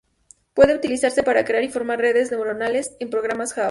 Puede utilizarse para crear y formar redes neuronales en programas Java.